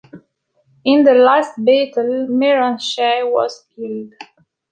In the last battle, Miran Shah was killed.